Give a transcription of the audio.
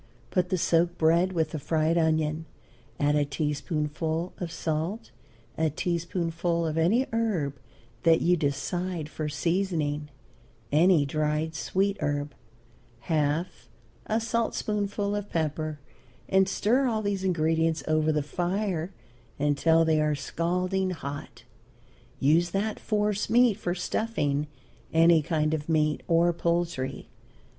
Put the soaked bread with the fried onion, add a teaspoonful of salt, a teaspoonful of any herb that you decide for seasoning, any dried sweet herb, half a saltspoonful of pepper, and stir all these ingredients over the fire until they are scalding hot. Use that force meat for stuffing any kind of meat or poultry.